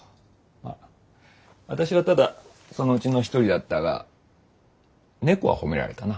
まああたしはただそのうちの一人だったが猫は褒められたな。